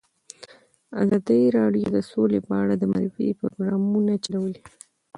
ازادي راډیو د سوله په اړه د معارفې پروګرامونه چلولي.